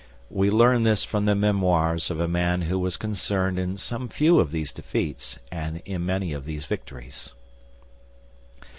We learn this from the memoirs of a man who was concerned in some few of these defeats and in many of these victories.